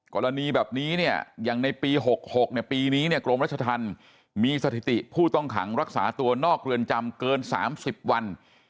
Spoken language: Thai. กรณีแบบนี้เนี่ยอย่างในปี๖๖ปีนี้เนี่ยกรมรัชธรรมมีสถิติผู้ต้องขังรักษาตัวนอกเรือนจำเกิน๓๐วัน